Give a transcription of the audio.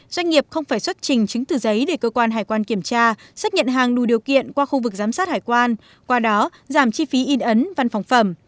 doanh nghiệp không phải xuất trình chứng từ giấy để cơ quan hải quan kiểm tra xác nhận hàng đủ điều kiện qua khu vực giám sát hải quan qua đó giảm chi phí in ấn văn phòng phẩm